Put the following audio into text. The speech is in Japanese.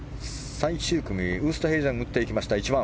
最終組、ウーストヘイゼンが打っていきました、１番。